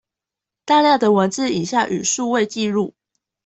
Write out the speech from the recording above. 大量的文字、影像與數位紀錄